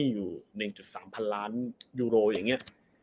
อย่างนี้